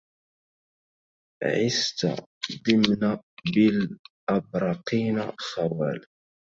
عست دمن بالأبرقين خوال